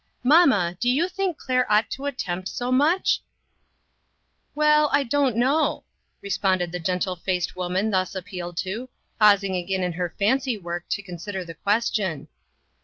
Mamma, do you think Claire ought to attempt so much ?"" Well, I don't know," responded the gen tle faced woman thus appealed to, pausing again in her fancy work to consider the question.